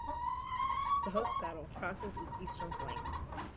The Hope Saddle crosses its eastern flank.